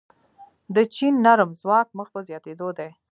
د چین نرم ځواک مخ په زیاتیدو دی.